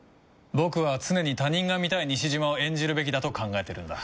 僕は常に他人が見たい西島を演じるべきだと考えてるんだ。